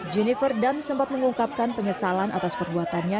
jennifer dunn sempat mengungkapkan penyesalan atas perbuatannya